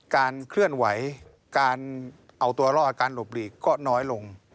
เคลื่อนไหวการเอาตัวรอดการหลบหลีกก็น้อยลง